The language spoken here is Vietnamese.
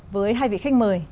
với hai vị khách mời